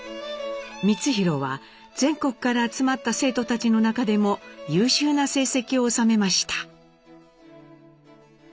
光宏は全国から集まった生徒たちの中でも優秀な成績を収めました。